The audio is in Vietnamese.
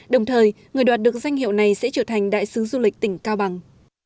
đồng thời người đoạt được danh hiệu này sẽ trở thành đại sứ du lịch tỉnh cao bằng